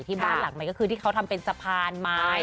บ้านหลังใหม่ก็คือที่เขาทำเป็นสะพานไม้